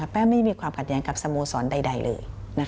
ไม่มีความขัดแย้งกับสโมสรใดเลย